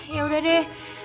ya udah deh